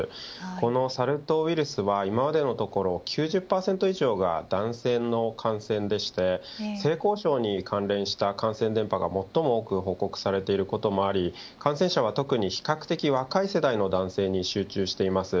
このサル痘ウイルスは今までのところ９０％以上が男性の感染でして性交渉に関連した感染伝播が最も多く報告されていることもあり感染者は特に比較的若い世代の男性に集中しています。